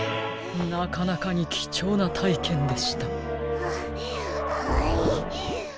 なかなかにきちょうなたいけんでした。